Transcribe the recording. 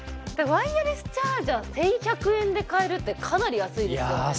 ワイヤレスチャージャー１１００円で買えるってかなり安いですよね